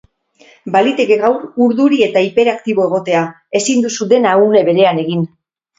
Baliteke gaur urduri eta hiperkatibo egotea, ezin duzu dena une berean egin.